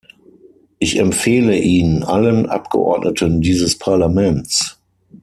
Ich empfehle ihn allen Abgeordneten dieses Parlaments.